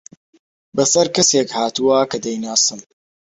بەسەر کەسێک هاتووە کە دەیناسم.